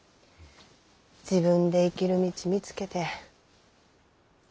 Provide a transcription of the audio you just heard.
自分で生きる道見つけて偉いわ。